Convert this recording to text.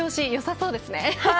そうですね。